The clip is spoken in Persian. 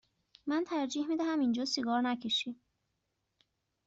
من ترجیح می دهم اینجا سیگار نکشی.